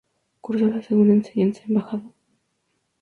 Cursó la segunda enseñanza en Badajoz.